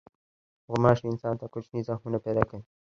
غوماشې انسان ته کوچني زخمونه پیدا کوي.